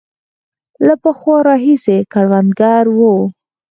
له پخوا راهیسې کروندګر وو.